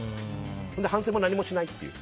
反省も何もしないという。